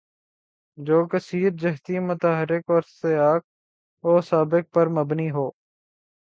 جو کثیر جہتی، متحرک اور سیاق و سباق پر مبنی ہو